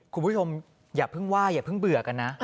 คุณผู้ชมอย่าเพิ่งว่าอย่าเพิ่งเบื่อกันนะ